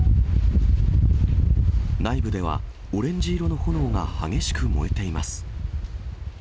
内部ではオレンジ色の炎が激しく燃えています。